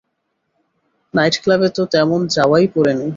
Night ক্লাবে তো তেমন যাওয়াই পড়েনি।